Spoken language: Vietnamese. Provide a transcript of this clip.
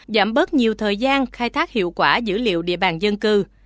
giảm bớt nhiều thời gian khai thác hiệu quả dữ liệu địa bàn dân cư